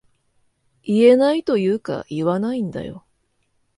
言えないというか言わないんだよ